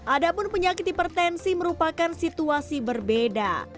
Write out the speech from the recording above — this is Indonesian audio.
ada pun penyakit hipertensi merupakan situasi berbeda